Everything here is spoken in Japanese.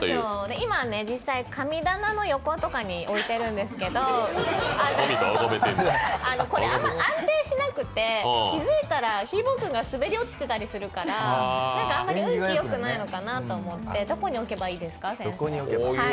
今、神棚の横とかに置いてるんですけど、安定しなくて、気付いたらひーぼぉくんが滑り落ちてたりするからあんまり運気よくないのかなと思ってどこに置いたらいいですか？